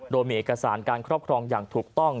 โดยมีเอกสารการครอบครองอย่างถูกต้อง